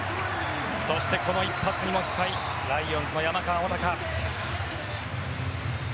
そして一発に期待ライオンズの山川穂高。